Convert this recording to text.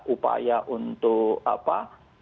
upaya untuk apa